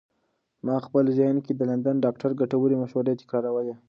ما په خپل ذهن کې د لندن د ډاکتر ګټورې مشورې تکرارولې.